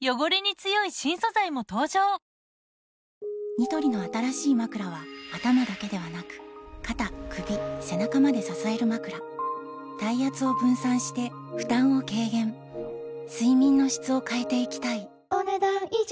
ニトリの新しいまくらは頭だけではなく肩・首・背中まで支えるまくら体圧を分散して負担を軽減睡眠の質を変えていきたいお、ねだん以上。